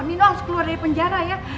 mino harus keluar dari penjara ya